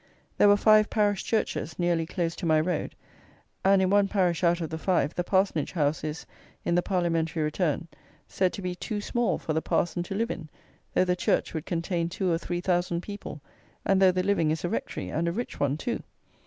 There were five parish churches nearly close to my road; and in one parish out of the five the parsonage house is, in the parliamentary return, said to be "too small" for the parson to live in, though the church would contain two or three thousand people, and though the living is a Rectory, and a rich one too!